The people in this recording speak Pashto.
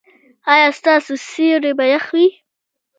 ایا ستاسو سیوري به يخ وي؟